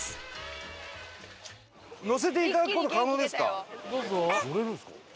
乗せていただく事可能ですか？